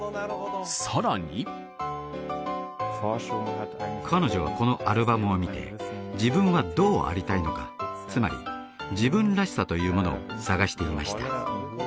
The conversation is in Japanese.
さらに彼女はこのアルバムを見て自分はどうありたいのかつまり自分らしさというものを探していました